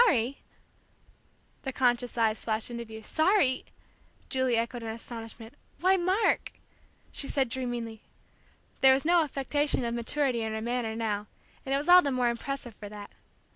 "Sorry!" The conscious eyes flashed into view. "Sorry!" Julie echoed in astonishment. "Why, Mark," she said dreamily, there was no affectation of maturity in her manner now, and it was all the more impressive for that.